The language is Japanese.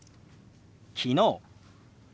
「昨日」。